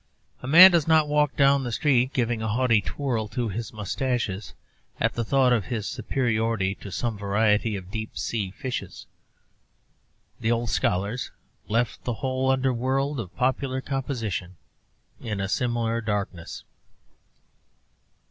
A man does not walk down the street giving a haughty twirl to his moustaches at the thought of his superiority to some variety of deep sea fishes. The old scholars left the whole under world of popular compositions in a similar darkness.